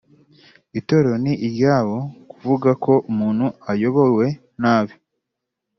Itorero ni iryabo kuvuga ko umuntu ayobowe nabi